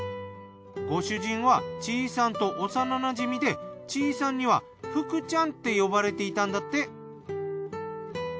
ご主人は地井さんと幼なじみで地井さんには福ちゃんって呼ばれていたんだって。